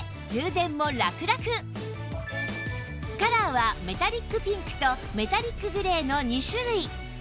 カラーはメタリックピンクとメタリックグレーの２種類